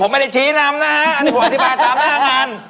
ผมไม่ได้ชี้นำนะฮะอันนี้ผมอธิบายตามหน้างาน